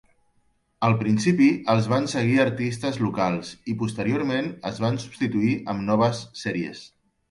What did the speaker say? Al principi els van seguir artistes locals i, posteriorment, es van substituir amb noves sèries.